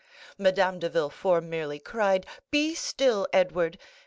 Madame de Villefort merely cried, "Be still, Edward!"